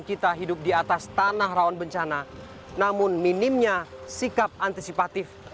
kita hidup di atas tanah rawan bencana namun minimnya sikap antisipatif